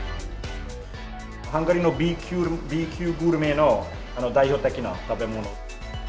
ハンガリーのＢ級グルメの代表的な食べ物。